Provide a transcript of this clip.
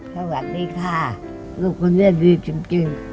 สวัสดีค่ะลูกคนนี้ดีจริง